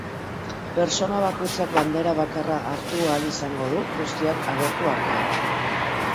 Pertsona bakoitzak bandera bakarra hartu ahal izango du, guztiak agortu arte.